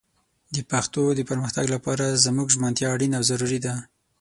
د پښتو د پرمختګ لپاره زموږ ژمنتيا اړينه او ضروري ده